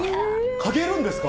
嗅げるんですか？